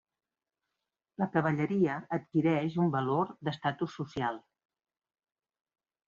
La cavalleria adquireix un valor d'estatus social.